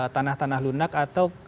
tanah tanah lunak atau